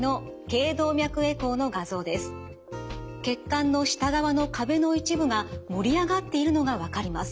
血管の下側の壁の一部が盛り上がっているのが分かります。